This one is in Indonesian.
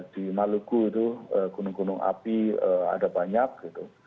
di maluku itu gunung gunung api ada banyak gitu